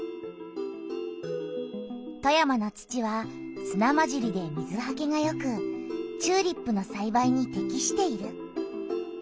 富山の土はすなまじりで水はけがよくチューリップのさいばいにてきしている。